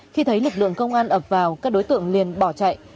khi thấy lực lượng công an ập vào các đối tượng liền bỏ chạy